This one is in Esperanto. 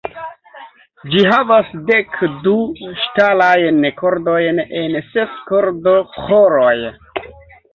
Ĝi havas dekdu ŝtalajn kordojn en ses kordoĥoroj.